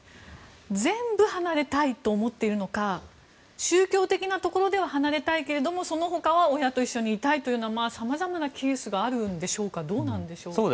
全部離れたいと思っているのか宗教的なところでは離れたいけどその他は親といたいとかさまざまなケースがあるんでしょうかどうなんでしょう。